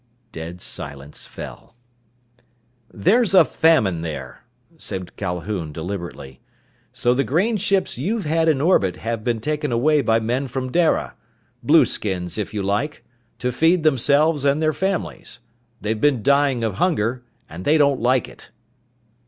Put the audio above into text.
Dead silence fell. "There's a famine there," said Calhoun deliberately. "So the grain ships you've had in orbit have been taken away by men from Dara blueskins if you like to feed themselves and their families. They've been dying of hunger and they don't like it."